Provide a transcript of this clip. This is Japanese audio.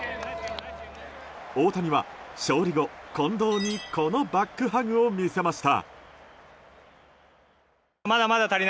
大谷は勝利後、近藤にこのバックハグを見せました。